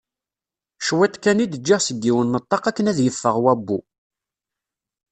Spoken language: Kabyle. Cwiṭ kan i d-ǧǧiɣ seg yiwen n ṭṭaq akken ad yeffeɣ wabbu.